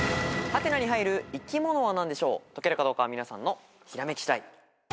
解けるかどうかは皆さんのひらめき次第。